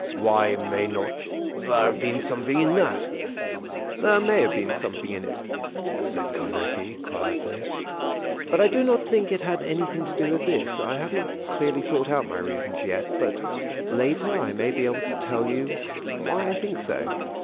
"Why may not there have been something in that?" "There may have been something in it," said Carnacki, quietly. "But I do not think it had anything to do with this. I have not clearly thought out my reasons, yet; but later I may be able to tell you why I think so."